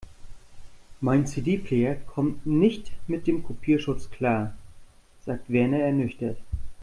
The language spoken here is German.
Mein CD-Player kommt nicht mit dem Kopierschutz klar, sagt Werner ernüchtert.